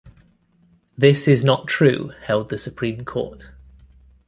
This is not true, held the Supreme Court.